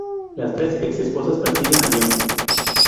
Las tres ex-esposas persiguen a Dion.